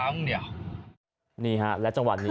นี่ฮะและจังหวัดนี้